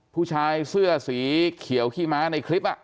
ผู้ชายเสื้อสีเขียวขี้ม้าในคลิป